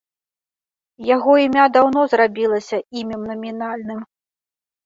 Яго імя даўно зрабілася імем намінальным.